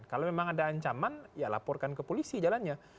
kalau memang ada ancaman ya laporkan ke polisi jalannya